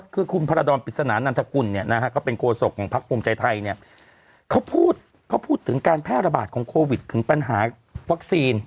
คุณพาราดอลปิศนานนัทกุลก็เป็นโครสกของพักภูมิใจไทยเนี่ยเขาพูดถึงการแพร่ระบาดของโควิดคือปัญหาวัคซีน